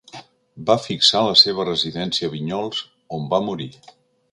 Va fixar la seva residència a Vinyols, on va morir.